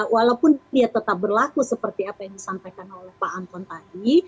walaupun dia tetap berlaku seperti apa yang disampaikan oleh pak anton tadi